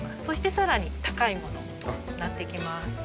そしてさらに高いものになってきます。